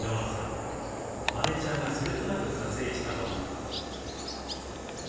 マネージャーがそれとなく撮影したもの。